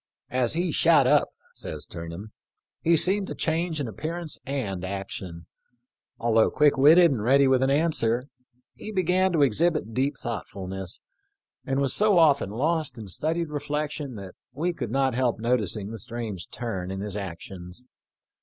" As he shot up," says Turnham, " he seemed to change in appearance and action. Although quick witted and ready with an answer, he began to exhibit deep thoughtfulness, and was so often lost in studied reflection we could not help noticing the strange turn in his actions.